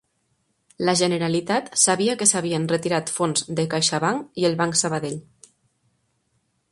La Generalitat sabia que s'havien retirat fons de CaixaBank i el Banc Sabadell